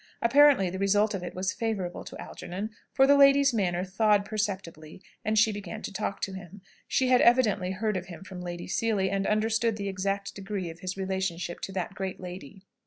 Apparently, the result of it was favourable to Algernon; for the lady's manner thawed perceptibly, and she began to talk to him. She had evidently heard of him from Lady Seely, and understood the exact degree of his relationship to that great lady.